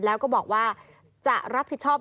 แล้วก็บอกว่าจะรับผิดชอบ